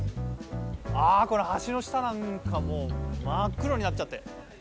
橋の下なんかもう真っ黒になっちゃって。